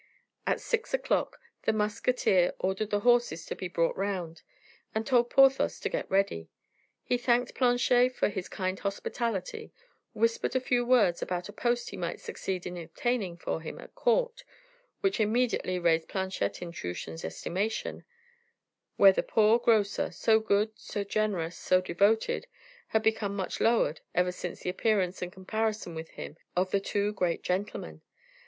At six o'clock, the musketeer ordered the horses to be brought round, and told Porthos to get ready. He thanked Planchet for his kind hospitality, whispered a few words about a post he might succeed in obtaining for him at court, which immediately raised Planchet in Truchen's estimation, where the poor grocer so good, so generous, so devoted had become much lowered ever since the appearance and comparison with him of the two great gentlemen.